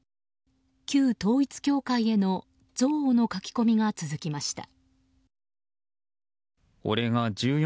旧統一教会への憎悪の書き込みが続きました。